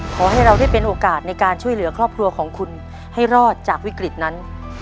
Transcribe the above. ขอให้เราได้เป็นโอกาสในการช่วยเหลือครอบครัวของคุณให้รอดจากวิกฤตนั้น